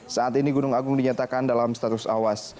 saat ini gunung agung dinyatakan dalam status awas